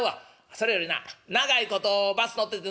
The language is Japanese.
それよりな長いことバス乗ってて喉渇いてんねん。